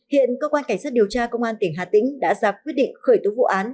hiện cơ quan cảnh sát điều tra công an tỉnh hà tĩnh đã dạp quyết định khởi tố vụ án